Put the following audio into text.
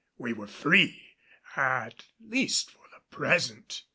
We were free at least for the present.